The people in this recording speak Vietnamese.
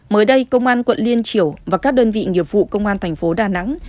mới đây công an quận liên triều và các đơn vị nghiệp vụ công an tp đà nẵng